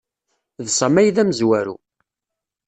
D Sami ay d amezwaru.